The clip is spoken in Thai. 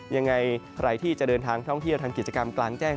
ยังไงใครที่จะเดินทางท่องเที่ยวทำกิจกรรมกลางแจ้ง